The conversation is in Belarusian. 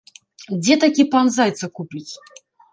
Дзе такі пан зайца купіць?!